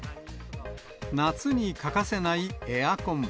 夏に欠かせないエアコン。